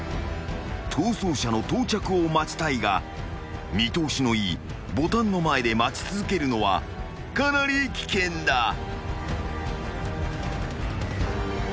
［逃走者の到着を待ちたいが見通しのいいボタンの前で待ち続けるのはかなり危険だ］